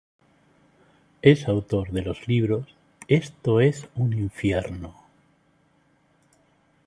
Es autor de los libros "Esto es un infierno.